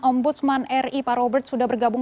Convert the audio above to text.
ombudsman ri pak robert sudah bergabung